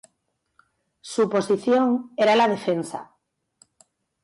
Su posición era la defensa.